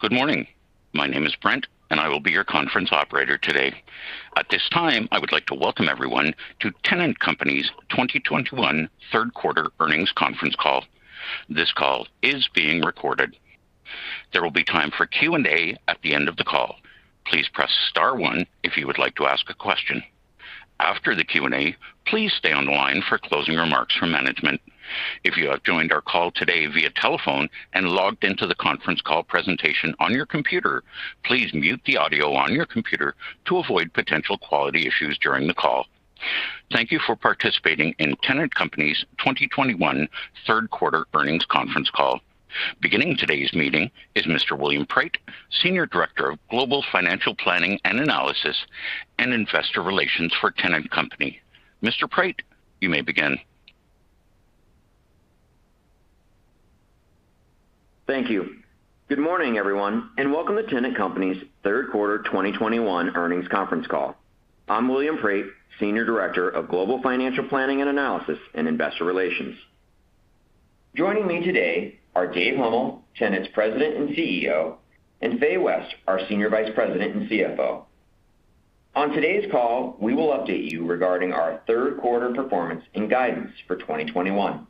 Good morning. My name is Brent, and I will be your conference operator today. At this time, I would like to welcome everyone to Tennant Company's 2021 third quarter earnings conference call. This call is being recorded. There will be time for Q&A at the end of the call. Please press star one if you would like to ask a question. After the Q&A, please stay on the line for closing remarks from management. If you have joined our call today via telephone and logged into the conference call presentation on your computer, please mute the audio on your computer to avoid potential quality issues during the call. Thank you for participating in Tennant Company's 2021 third quarter earnings conference call. Beginning today's meeting is Mr. William Prate, Senior Director of Global Financial Planning and Analysis and Investor Relations for Tennant Company. Mr. Prate, you may begin. Thank you. Good morning, everyone, and welcome to Tennant Company's third quarter 2021 earnings conference call. I'm William Prate, Senior Director of Global Financial Planning and Analysis and Investor Relations. Joining me today are Dave Huml, Tennant's President and CEO, and Fay West, our Senior Vice President and CFO. On today's call, we will update you regarding our third quarter performance and guidance for 2021.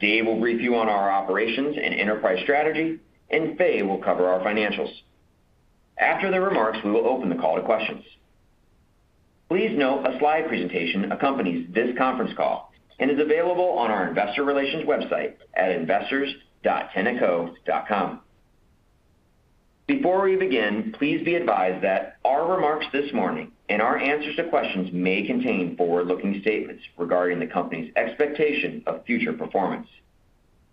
Dave will brief you on our operations and enterprise strategy, and Faye will cover our financials. After the remarks, we will open the call to questions. Please note a slide presentation accompanies this conference call and is available on our investor relations website at investors.tennantco.com. Before we begin, please be advised that our remarks this morning and our answers to questions may contain forward-looking statements regarding the company's expectation of future performance.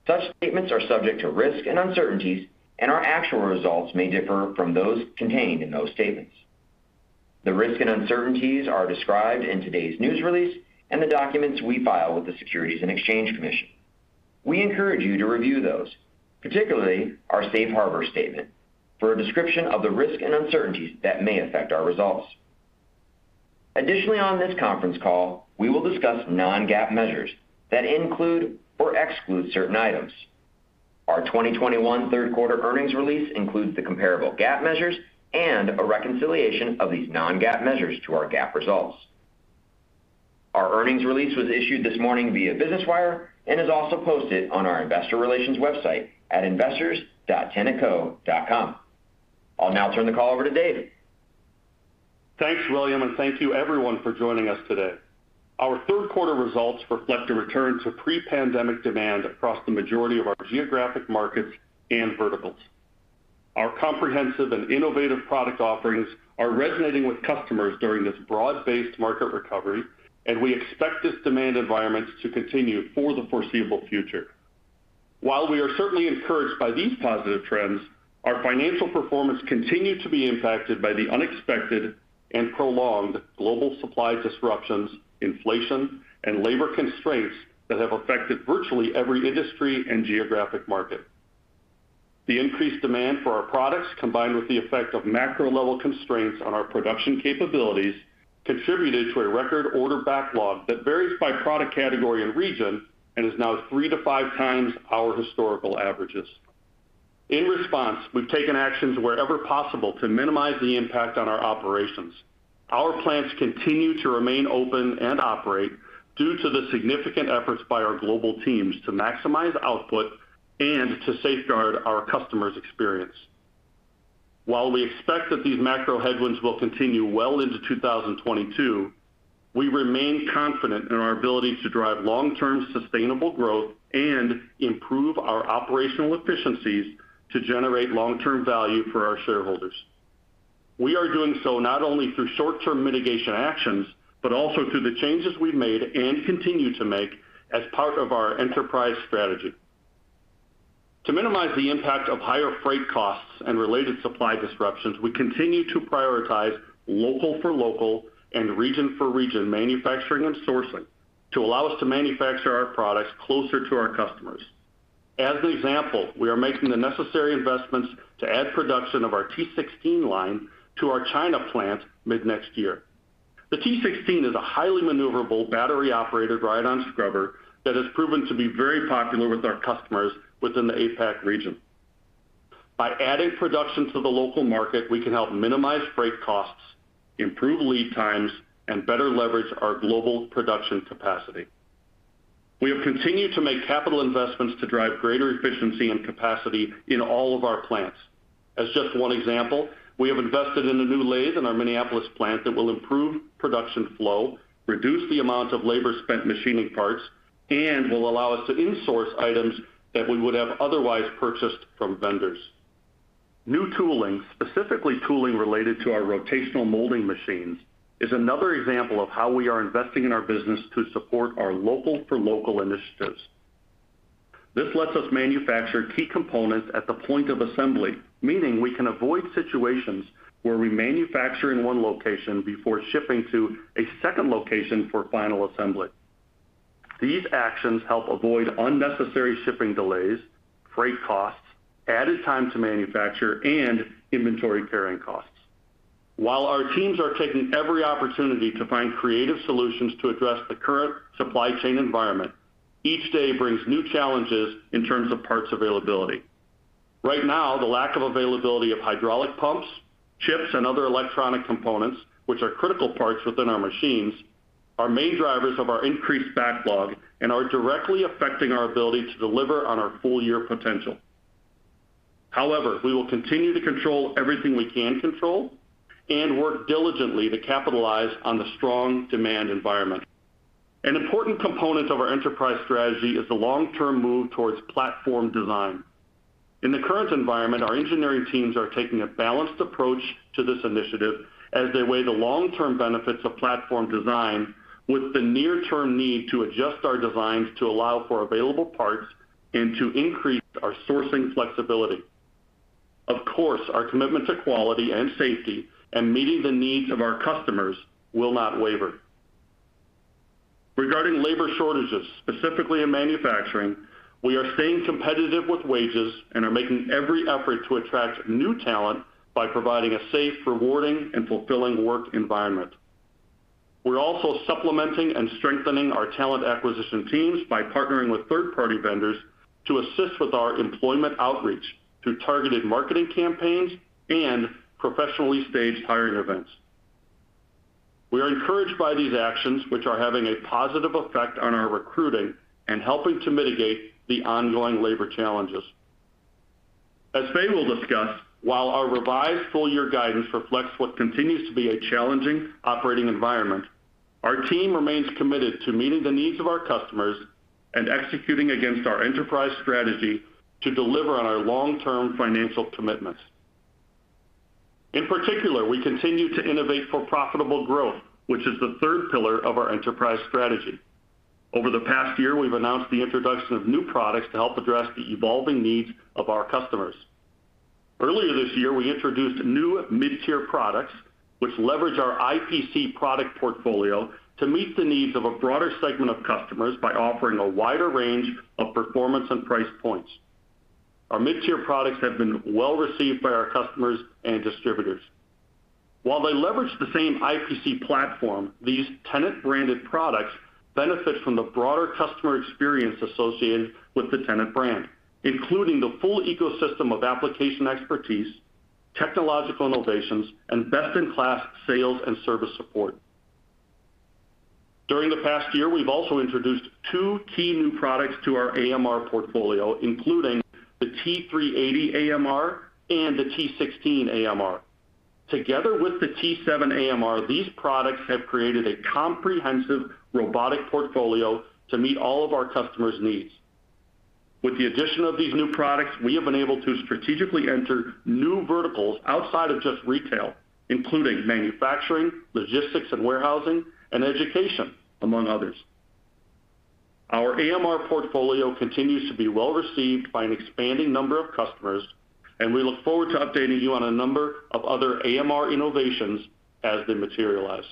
Such statements are subject to risk and uncertainties, and our actual results may differ from those contained in those statements. The risk and uncertainties are described in today's news release and the documents we file with the Securities and Exchange Commission. We encourage you to review those, particularly our safe harbor statement, for a description of the risk and uncertainties that may affect our results. Additionally, on this conference call, we will discuss non-GAAP measures that include or exclude certain items. Our 2021 third quarter earnings release includes the comparable GAAP measures and a reconciliation of these non-GAAP measures to our GAAP results. Our earnings release was issued this morning via Business Wire and is also posted on our investor relations website at investors.tennantco.com. I'll now turn the call over to Dave. Thanks, William, and thank you everyone for joining us today. Our third quarter results reflect a return to pre-pandemic demand across the majority of our geographic markets and verticals. Our comprehensive and innovative product offerings are resonating with customers during this broad-based market recovery, and we expect this demand environment to continue for the foreseeable future. While we are certainly encouraged by these positive trends, our financial performance continued to be impacted by the unexpected and prolonged global supply disruptions, inflation, and labor constraints that have affected virtually every industry and geographic market. The increased demand for our products, combined with the effect of macro-level constraints on our production capabilities, contributed to a record order backlog that varies by product category and region and is now three to five times our historical averages. In response, we've taken actions wherever possible to minimize the impact on our operations. Our plants continue to remain open and operate due to the significant efforts by our global teams to maximize output and to safeguard our customers' experience. While we expect that these macro headwinds will continue well into 2022, we remain confident in our ability to drive long-term sustainable growth and improve our operational efficiencies to generate long-term value for our shareholders. We are doing so not only through short-term mitigation actions, but also through the changes we've made and continue to make as part of our enterprise strategy. To minimize the impact of higher freight costs and related supply disruptions, we continue to prioritize local for local and region for region manufacturing and sourcing to allow us to manufacture our products closer to our customers. As an example, we are making the necessary investments to add production of our T16 line to our China plant mid-next year. The T16 is a highly maneuverable, battery-operated ride-on scrubber that has proven to be very popular with our customers within the APAC region. By adding production to the local market, we can help minimize freight costs, improve lead times, and better leverage our global production capacity. We have continued to make capital investments to drive greater efficiency and capacity in all of our plants. As just one example, we have invested in a new lathe in our Minneapolis plant that will improve production flow, reduce the amount of labor spent machining parts, and will allow us to insource items that we would have otherwise purchased from vendors. New tooling, specifically tooling related to our rotational molding machines, is another example of how we are investing in our business to support our local for local initiatives. This lets us manufacture key components at the point of assembly, meaning we can avoid situations where we manufacture in one location before shipping to a second location for final assembly. These actions help avoid unnecessary shipping delays, freight costs, added time to manufacture, and inventory carrying costs. While our teams are taking every opportunity to find creative solutions to address the current supply chain environment, each day brings new challenges in terms of parts availability. Right now, the lack of availability of hydraulic pumps, chips and other electronic components, which are critical parts within our machines, are main drivers of our increased backlog and are directly affecting our ability to deliver on our full year potential. However, we will continue to control everything we can control and work diligently to capitalize on the strong demand environment. An important component of our enterprise strategy is the long-term move towards platform design. In the current environment, our engineering teams are taking a balanced approach to this initiative as they weigh the long-term benefits of platform design with the near-term need to adjust our designs to allow for available parts and to increase our sourcing flexibility. Of course, our commitment to quality and safety and meeting the needs of our customers will not waver. Regarding labor shortages, specifically in manufacturing, we are staying competitive with wages and are making every effort to attract new talent by providing a safe, rewarding, and fulfilling work environment. We're also supplementing and strengthening our talent acquisition teams by partnering with third-party vendors to assist with our employment outreach through targeted marketing campaigns and professionally staged hiring events. We are encouraged by these actions, which are having a positive effect on our recruiting and helping to mitigate the ongoing labor challenges. As Faye will discuss, while our revised full year guidance reflects what continues to be a challenging operating environment, our team remains committed to meeting the needs of our customers and executing against our enterprise strategy to deliver on our long-term financial commitments. In particular, we continue to innovate for profitable growth, which is the third pillar of our enterprise strategy. Over the past year, we've announced the introduction of new products to help address the evolving needs of our customers. Earlier this year, we introduced new mid-tier products, which leverage our IPC product portfolio to meet the needs of a broader segment of customers by offering a wider range of performance and price points. Our mid-tier products have been well received by our customers and distributors. While they leverage the same IPC platform, these Tennant-branded products benefit from the broader customer experience associated with the Tennant brand, including the full ecosystem of application expertise, technological innovations, and best-in-class sales and service support. During the past year, we've also introduced two key new products to our AMR portfolio, including the T380 AMR and the T16 AMR. Together with the T7 AMR, these products have created a comprehensive robotic portfolio to meet all of our customers' needs. With the addition of these new products, we have been able to strategically enter new verticals outside of just retail, including manufacturing, logistics and warehousing, and education, among others. Our AMR portfolio continues to be well received by an expanding number of customers, and we look forward to updating you on a number of other AMR innovations as they materialize.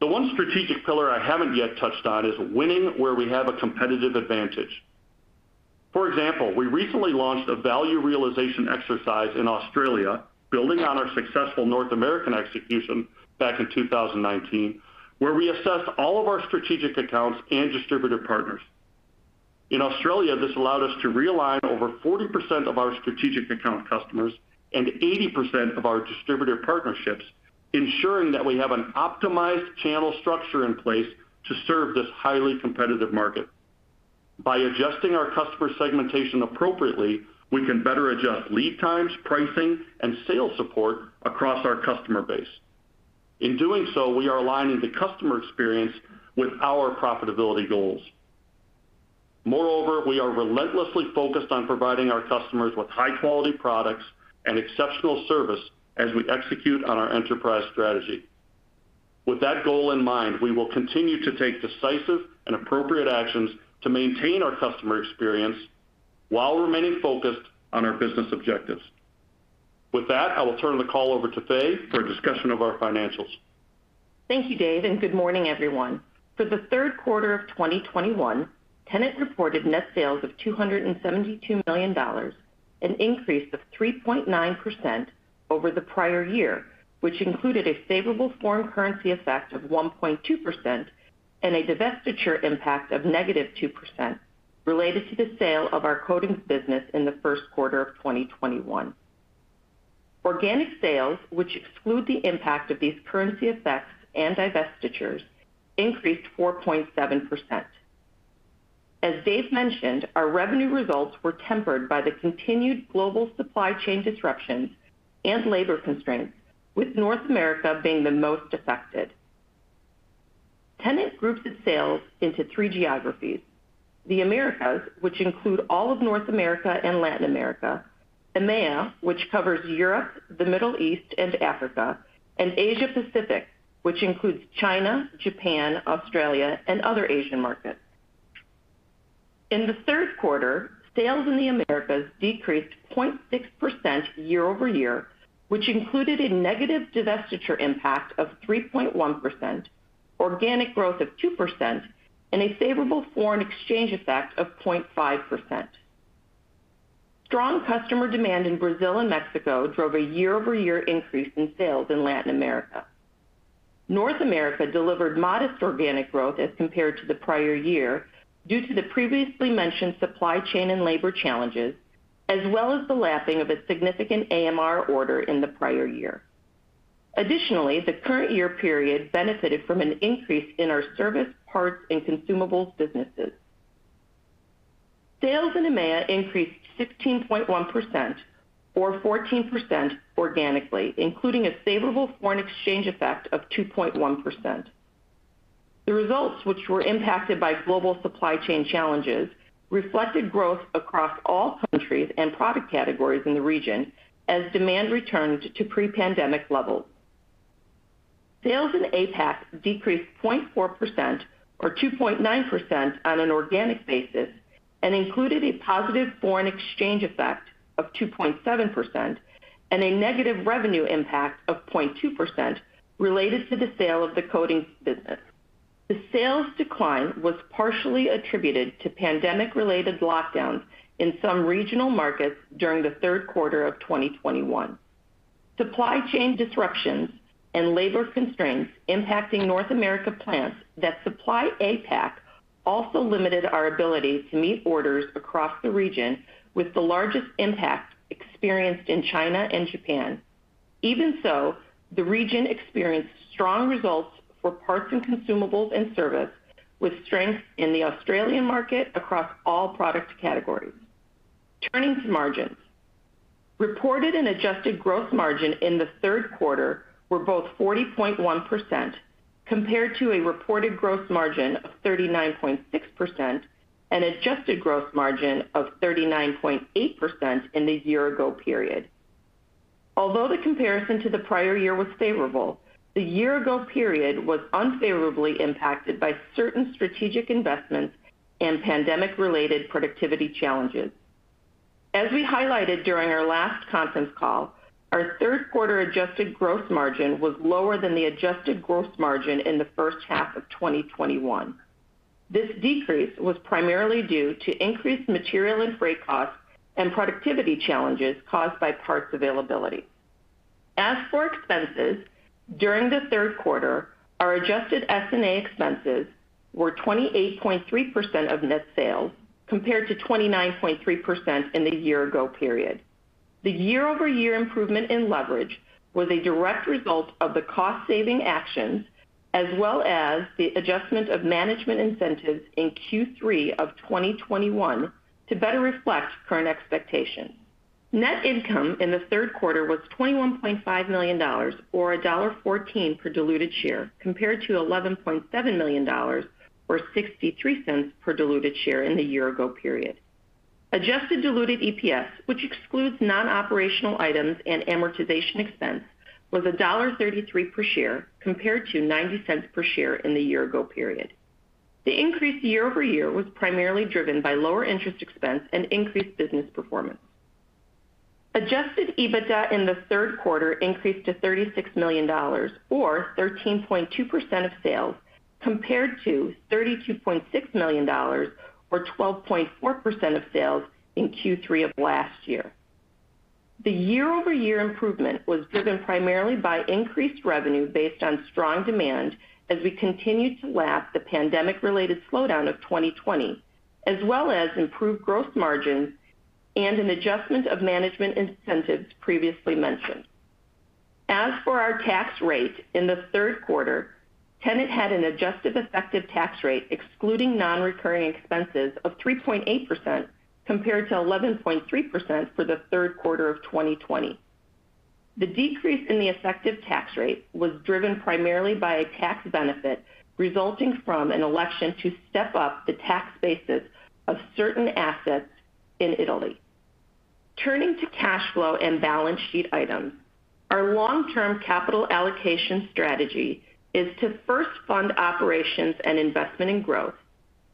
The one strategic pillar I haven't yet touched on is winning where we have a competitive advantage. For example, we recently launched a value realization exercise in Australia, building on our successful North American execution back in 2019, where we assessed all of our strategic accounts and distributor partners. In Australia, this allowed us to realign over 40% of our strategic account customers and 80% of our distributor partnerships, ensuring that we have an optimized channel structure in place to serve this highly competitive market. By adjusting our customer segmentation appropriately, we can better adjust lead times, pricing, and sales support across our customer base. In doing so, we are aligning the customer experience with our profitability goals. Moreover, we are relentlessly focused on providing our customers with high-quality products and exceptional service as we execute on our enterprise strategy. With that goal in mind, we will continue to take decisive and appropriate actions to maintain our customer experience while remaining focused on our business objectives. With that, I will turn the call over to Fay for a discussion of our financials. Thank you, Dave, and good morning, everyone. For the third quarter of 2021, Tennant reported net sales of $272 million, an increase of 3.9% over the prior year, which included a favorable foreign currency effect of 1.2% and a divestiture impact of -2% related to the sale of our coatings business in the first quarter of 2021. Organic sales, which exclude the impact of these currency effects and divestitures, increased 4.7%. As Dave mentioned, our revenue results were tempered by the continued global supply chain disruptions and labor constraints, with North America being the most affected. Tennant groups its sales into three geographies. The Americas, which include all of North America and Latin America, EMEA, which covers Europe, the Middle East, and Africa, and Asia Pacific, which includes China, Japan, Australia, and other Asian markets. In the third quarter, sales in the Americas decreased 0.6% year-over-year, which included a negative divestiture impact of 3.1%, organic growth of 2%, and a favorable foreign exchange effect of 0.5%. Strong customer demand in Brazil and Mexico drove a year-over-year increase in sales in Latin America. North America delivered modest organic growth as compared to the prior year due to the previously mentioned supply chain and labor challenges, as well as the lapping of a significant AMR order in the prior year. Additionally, the current year period benefited from an increase in our service, parts, and consumables businesses. Sales in EMEA increased 16.1% or 14% organically, including a favorable foreign exchange effect of 2.1%. The results, which were impacted by global supply chain challenges, reflected growth across all countries and product categories in the region as demand returned to pre-pandemic levels. Sales in APAC decreased 0.4% or 2.9% on an organic basis and included a positive foreign exchange effect of 2.7% and a negative revenue impact of 0.2% related to the sale of the coatings business. The sales decline was partially attributed to pandemic-related lockdowns in some regional markets during the third quarter of 2021. Supply chain disruptions and labor constraints impacting North American plants that supply APAC also limited our ability to meet orders across the region with the largest impact experienced in China and Japan. Even so, the region experienced strong results for parts and consumables and service, with strength in the Australian market across all product categories. Turning to margins. Reported and adjusted gross margin in the third quarter were both 40.1% compared to a reported gross margin of 39.6% and adjusted gross margin of 39.8% in the year ago period. Although the comparison to the prior year was favorable, the year ago period was unfavorably impacted by certain strategic investments and pandemic-related productivity challenges. As we highlighted during our last conference call, our third quarter adjusted gross margin was lower than the adjusted gross margin in the first half of 2021. This decrease was primarily due to increased material and freight costs and productivity challenges caused by parts availability. As for expenses, during the third quarter, our adjusted SG&A expenses were 28.3% of net sales compared to 29.3% in the year ago period. The year-over-year improvement in leverage was a direct result of the cost-saving actions as well as the adjustment of management incentives in Q3 of 2021 to better reflect current expectations. Net income in the third quarter was $21.5 million or $1.14 per diluted share, compared to $11.7 million or $0.63 per diluted share in the year ago period. Adjusted diluted EPS, which excludes non-operational items and amortization expense, was $1.33 per share, compared to $0.90 per share in the year ago period. The increase year-over-year was primarily driven by lower interest expense and increased business performance. Adjusted EBITDA in the third quarter increased to $36 million or 13.2% of sales, compared to $32.6 million or 12.4% of sales in Q3 of last year. The year-over-year improvement was driven primarily by increased revenue based on strong demand as we continued to lap the pandemic-related slowdown of 2020, as well as improved gross margins and an adjustment of management incentives previously mentioned. As for our tax rate in the third quarter, Tennant had an adjusted effective tax rate excluding non-recurring expenses of 3.8% compared to 11.3% for the third quarter of 2020. The decrease in the effective tax rate was driven primarily by a tax benefit resulting from an election to step up the tax basis of certain assets in Italy. Turning to cash flow and balance sheet items. Our long-term capital allocation strategy is to first fund operations and investment in growth,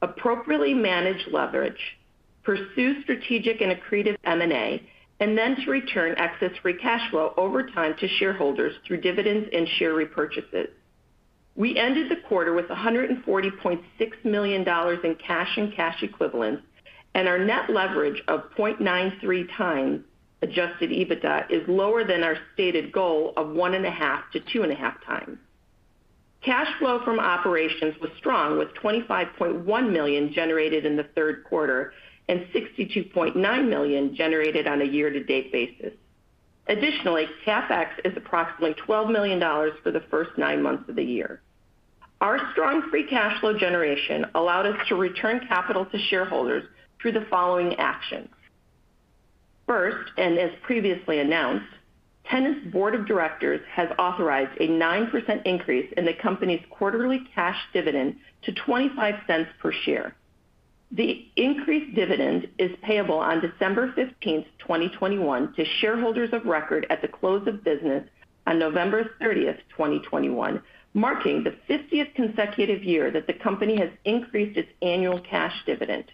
appropriately manage leverage, pursue strategic and accretive M&A, and then to return excess free cash flow over time to shareholders through dividends and share repurchases. We ended the quarter with $140.6 million in cash and cash equivalents, and our net leverage of 0.93x adjusted EBITDA is lower than our stated goal of 1.5x-2.5x. Cash flow from operations was strong, with $25.1 million generated in the third quarter and $62.9 million generated on a year-to-date basis. Additionally, CapEx is approximately $12 million for the first nine months of the year. Our strong free cash flow generation allowed us to return capital to shareholders through the following actions. First, as previously announced, Tennant's board of directors has authorized a 9% increase in the company's quarterly cash dividend to $0.25 per share. The increased dividend is payable on December 15, 2021 to shareholders of record at the close of business on November 30th, 2021, marking the 50th consecutive year that the company has increased its annual cash dividend.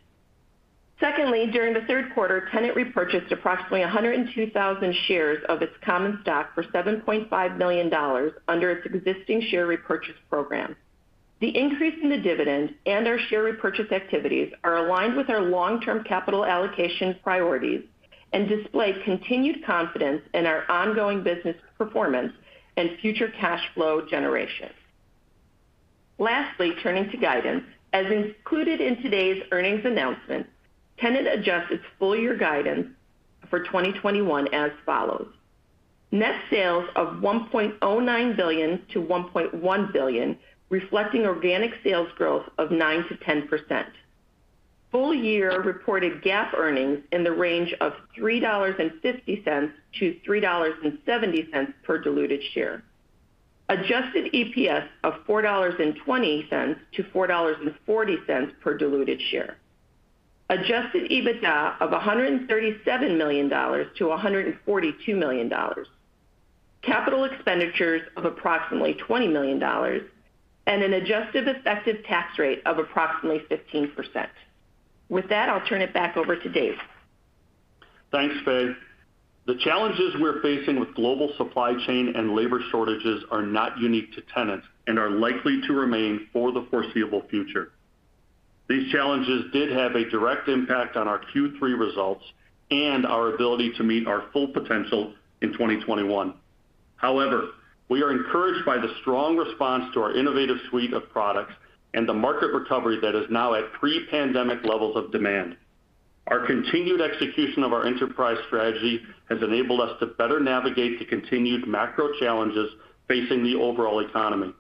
Secondly, during the third quarter, Tennant repurchased approximately 102,000 shares of its common stock for $7.5 million under its existing share repurchase program. The increase in the dividend and our share repurchase activities are aligned with our long-term capital allocation priorities and display continued confidence in our ongoing business performance and future cash flow generation. Lastly, turning to guidance. As included in today's earnings announcement, Tennant adjusts its full year guidance for 2021 as follows. Net sales of $1.09 billion-$1.1 billion, reflecting organic sales growth of 9%-10%. Full year reported GAAP earnings in the range of $3.50-$3.70 per diluted share. Adjusted EPS of $4.20-$4.40 per diluted share. Adjusted EBITDA of $137 million-$142 million. Capital expenditures of approximately $20 million and an adjusted effective tax rate of approximately 15%. With that, I'll turn it back over to Dave. Thanks, Faye. The challenges we're facing with global supply chain and labor shortages are not unique to Tennant and are likely to remain for the foreseeable future. These challenges did have a direct impact on our Q3 results and our ability to meet our full potential in 2021. However, we are encouraged by the strong response to our innovative suite of products and the market recovery that is now at pre-pandemic levels of demand. Our continued execution of our enterprise strategy has enabled us to better navigate the continued macro challenges facing the overall economy.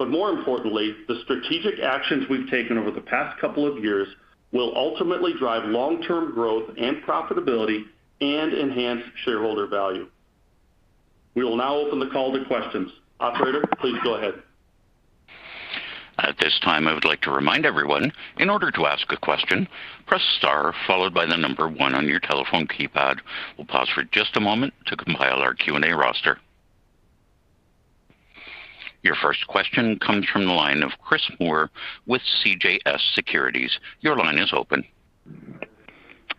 More importantly, the strategic actions we've taken over the past couple of years will ultimately drive long-term growth and profitability and enhance shareholder value. We will now open the call to questions. Operator, please go ahead. At this time, I would like to remind everyone, in order to ask a question, press star followed by the number one on your telephone keypad. We'll pause for just a moment to compile our Q&A roster. Your first question comes from the line of Chris Moore with CJS Securities. Your line is open.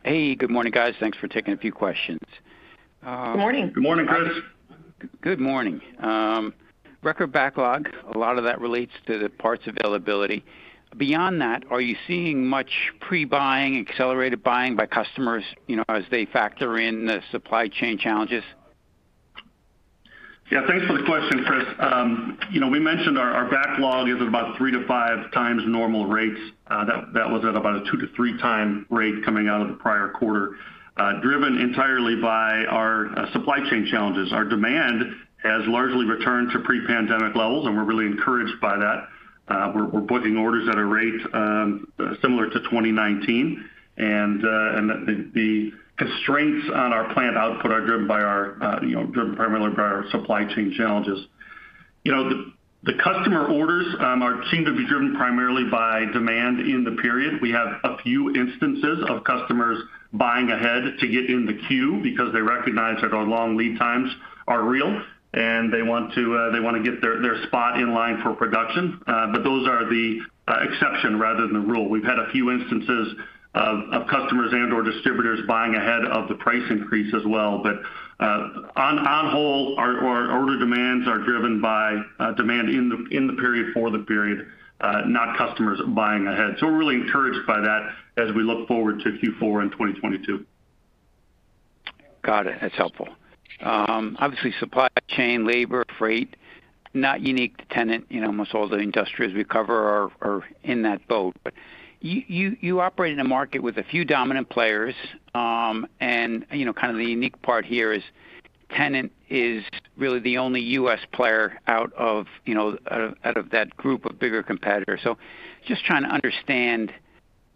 Hey, good morning, guys. Thanks for taking a few questions. Good morning. Good morning, Chris. Good morning. Record backlog. A lot of that relates to the parts availability. Beyond that, are you seeing much pre-buying, accelerated buying by customers, you know, as they factor in the supply chain challenges? Yeah, thanks for the question, Chris. You know, we mentioned our backlog is about 3x-5x normal rates. That was at about a 2x-3x rate coming out of the prior quarter, driven entirely by our supply chain challenges. Our demand has largely returned to pre-pandemic levels, and we're really encouraged by that. We're booking orders at a rate similar to 2019. The constraints on our plant output are driven primarily by our supply chain challenges. You know, the customer orders seem to be driven primarily by demand in the period. We have a few instances of customers buying ahead to get in the queue because they recognize that our long lead times are real, and they wanna get their spot in line for production. Those are the exception rather than the rule. We've had a few instances of customers and/or distributors buying ahead of the price increase as well. On the whole, our order demands are driven by demand in the period for the period, not customers buying ahead. We're really encouraged by that as we look forward to Q4 in 2022. Got it. That's helpful. Obviously, supply chain, labor, freight, not unique to Tennant. You know, almost all the industries we cover are in that boat. You operate in a market with a few dominant players. You know, kind of the unique part here is Tennant is really the only U.S. player out of, you know, that group of bigger competitors. Just trying to understand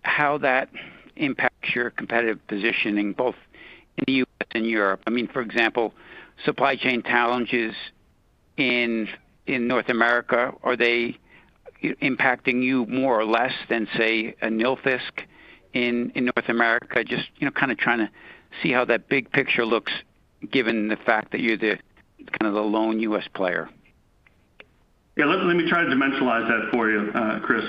how that impacts your competitive positioning, both in the U.S. and Europe. I mean, for example, supply chain challenges in North America, are they impacting you more or less than, say, a Nilfisk in North America? Just, you know, kinda trying to see how that big picture looks given the fact that you're kind of the lone U.S. player. Let me try to dimensionalize that for you, Chris.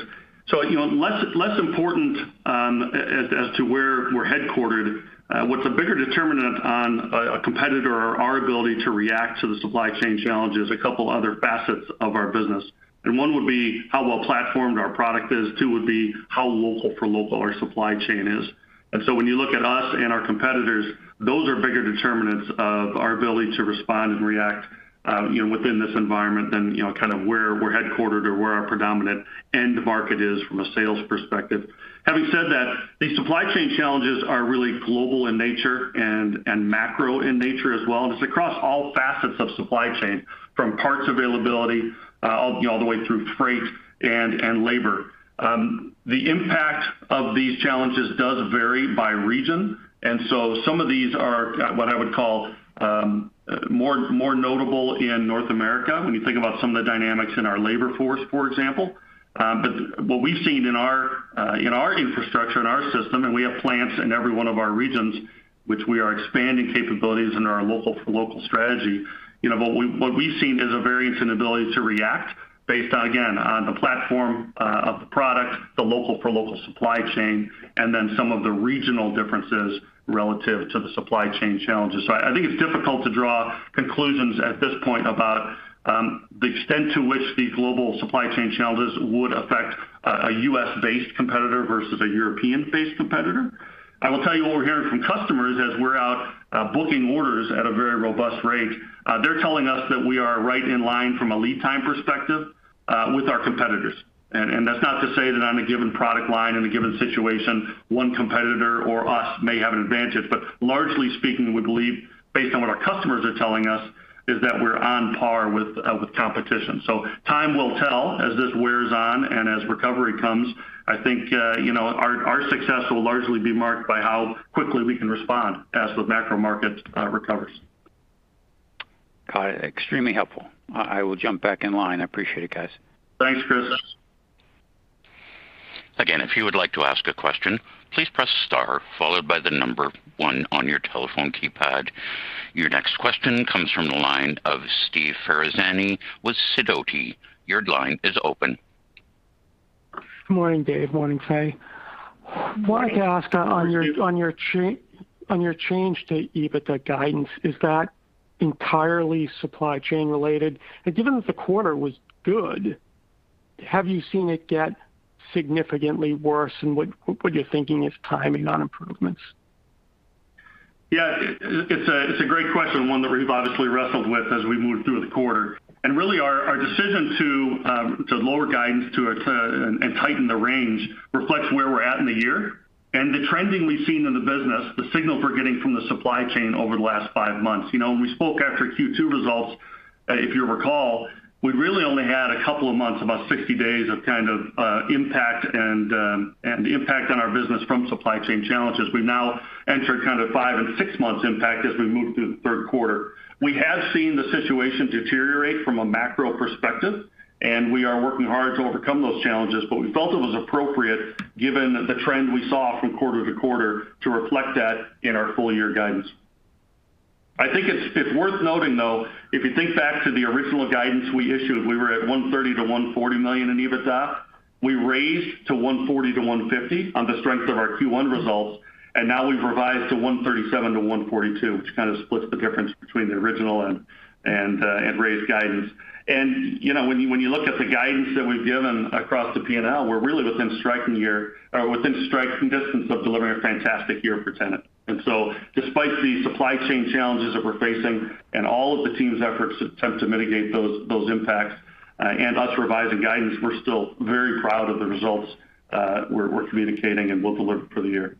Less important as to where we're headquartered, what's a bigger determinant on a competitor or our ability to react to the supply chain challenge is a couple other facets of our business, and one would be how well-platformed our product is. Two would be how local for local our supply chain is. When you look at us and our competitors, those are bigger determinants of our ability to respond and react within this environment than kind of where we're headquartered or where our predominant end market is from a sales perspective. Having said that, these supply chain challenges are really global in nature and macro in nature as well, and it's across all facets of supply chain, from parts availability, you know, all the way through freight and labor. The impact of these challenges does vary by region, and so some of these are what I would call more notable in North America when you think about some of the dynamics in our labor force, for example. But what we've seen in our infrastructure, in our system, and we have plants in every one of our regions, which we are expanding capabilities in our local for local strategy. What we've seen is a variance in ability to react based on, again, on the platform of the product, the local-for-local supply chain and then some of the regional differences relative to the supply chain challenges. I think it's difficult to draw conclusions at this point about the extent to which the global supply chain challenges would affect a U.S.-based competitor versus a European-based competitor. I will tell you what we're hearing from customers as we're out booking orders at a very robust rate. They're telling us that we are right in line from a lead time perspective with our competitors. That's not to say that on a given product line in a given situation, one competitor or us may have an advantage, but largely speaking, we believe based on what our customers are telling us is that we're on par with competition. Time will tell as this wears on and as recovery comes. I think you know, our success will largely be marked by how quickly we can respond as the macro market recovers. Extremely helpful. I will jump back in line. I appreciate it, guys. Thanks, Chris. Again, if you would like to ask a question press star followed by the number one on your telephone keypad. Your next question comes from the line of Steve Ferazani with Sidoti. Your line is open. Good morning, Dave. Morning, Fay. Morning. Wanted to ask on your change to EBITDA guidance, is that entirely supply chain related? Given that the quarter was good, have you seen it get significantly worse? What you're thinking is timing on improvements? Yeah. It's a great question, one that we've obviously wrestled with as we moved through the quarter. Really our decision to lower guidance and tighten the range reflects where we're at in the year. The trending we've seen in the business, the signals we're getting from the supply chain over the last five months. You know, when we spoke after Q2 results, if you recall, we really only had a couple of months, about 60 days of kind of impact on our business from supply chain challenges. We've now entered kind of five and six months impact as we move through the third quarter. We have seen the situation deteriorate from a macro perspective, and we are working hard to overcome those challenges. We felt it was appropriate given the trend we saw from quarter-to-quarter, to reflect that in our full year guidance. I think it's worth noting though, if you think back to the original guidance we issued, we were at $130 million-$140 million in EBITDA. We raised to $140 million-$150 million on the strength of our Q1 results, and now we've revised to $137 million-$142 million, which kind of splits the difference between the original and raised guidance. You know, when you look at the guidance that we've given across the P&L, we're really within striking distance of delivering a fantastic year for Tennant. Despite the supply chain challenges that we're facing and all of the team's efforts to attempt to mitigate those impacts, and us revising guidance, we're still very proud of the results we're communicating and what delivered for the year.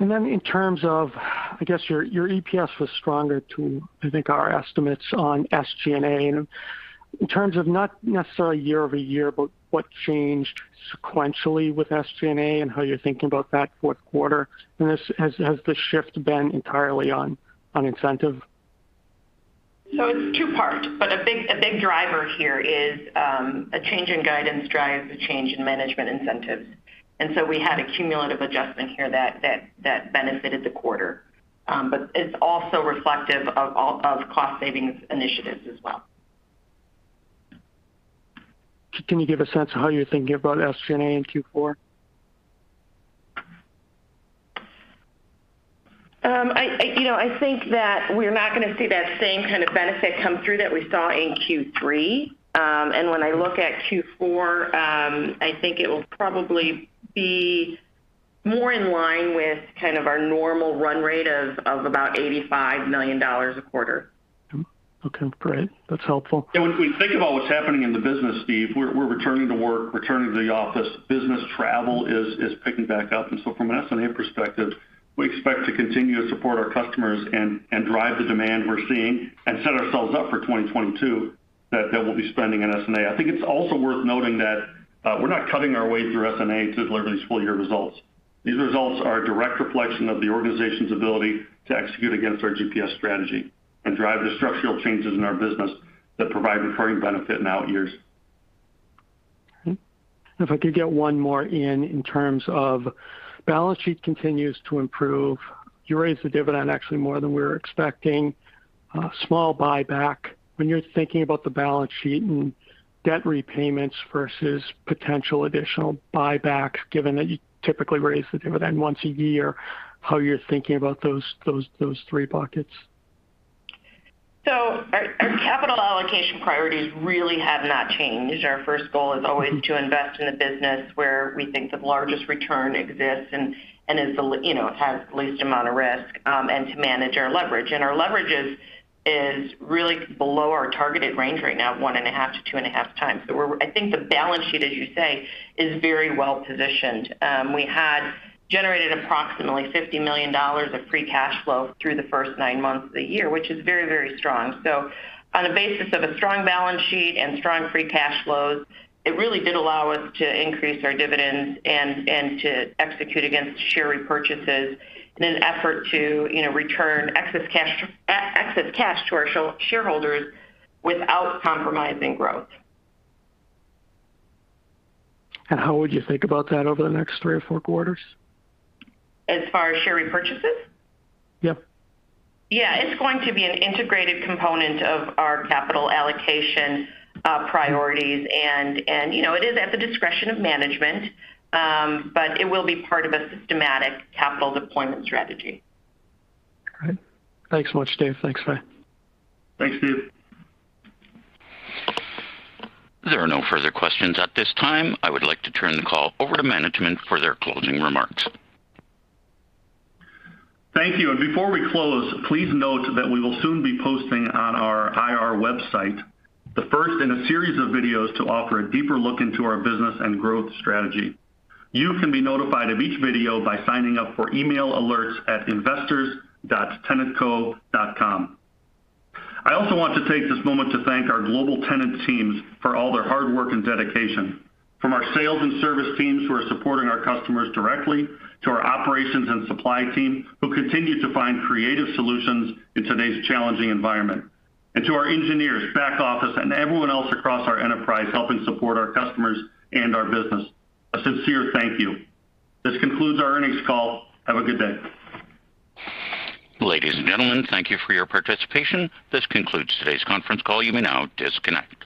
Then in terms of, I guess, your EPS was stronger than, I think, our estimates on SG&A. In terms of not necessarily year-over-year, but what changed sequentially with SG&A and how you're thinking about that fourth quarter. Has the shift been entirely on incentive? It's two-part, but a big driver here is a change in guidance drives a change in management incentives. We had a cumulative adjustment here that benefited the quarter. It's also reflective of cost savings initiatives as well. Can you give a sense of how you're thinking about SG&A in Q4? I you know, I think that we're not gonna see that same kind of benefit come through that we saw in Q3. When I look at Q4, I think it will probably be more in line with kind of our normal run rate of about $85 million a quarter. Okay, great. That's helpful. Yeah, when we think about what's happening in the business, Steve, we're returning to work, returning to the office. Business travel is picking back up. From an SG&A perspective, we expect to continue to support our customers and drive the demand we're seeing and set ourselves up for 2022 that we'll be spending in SG&A. I think it's also worth noting that, we're not cutting our way through SG&A to deliver these full year results. These results are a direct reflection of the organization's ability to execute against our GPS strategy and drive the structural changes in our business that provide recurring benefit in out years. If I could get one more in in terms of balance sheet continues to improve. You raised the dividend actually more than we were expecting. Small buyback. When you're thinking about the balance sheet and debt repayments versus potential additional buyback, given that you typically raise the dividend once a year, how you're thinking about those three buckets. Our capital allocation priorities really have not changed. Our first goal is always to invest in the business where we think the largest return exists and is the, you know, has the least amount of risk, and to manage our leverage. Our leverage is really below our targeted range right now of 1.5x-2.5x. I think the balance sheet, as you say, is very well-positioned. We had generated approximately $50 million of free cash flow through the first nine months of the year, which is very, very strong. On the basis of a strong balance sheet and strong free cash flows, it really did allow us to increase our dividends and to execute against share repurchases in an effort to, you know, return excess cash to our shareholders without compromising growth. How would you think about that over the next three or four quarters? As far as share repurchases? Yep. Yeah. It's going to be an integrated component of our capital allocation priorities. You know, it is at the discretion of management, but it will be part of a systematic capital deployment strategy. All right. Thanks much, Dave. Thanks, Fay. Thanks, Steve. There are no further questions at this time. I would like to turn the call over to management for their closing remarks. Thank you. Before we close, please note that we will soon be posting on our IR website, the first in a series of videos to offer a deeper look into our business and growth strategy. You can be notified of each video by signing up for email alerts at investors.tennantco.com. I also want to take this moment to thank our global Tennant teams for all their hard work and dedication. From our sales and service teams who are supporting our customers directly, to our operations and supply team who continue to find creative solutions in today's challenging environment. To our engineers, back office, and everyone else across our enterprise helping support our customers and our business, a sincere thank you. This concludes our earnings call. Have a good day. Ladies and gentlemen, thank you for your participation. This concludes today's conference call. You may now disconnect.